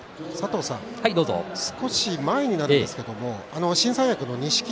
少し前になりますけれど新三役の錦木。